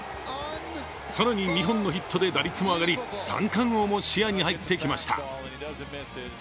更に２本のヒットで打率も上がり、三冠王も視野に入ってきました。